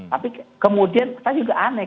tapi kemudian kita juga aneh